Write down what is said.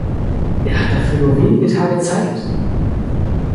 Er hat dafür nur wenige Tage Zeit.